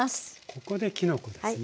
ここできのこですね。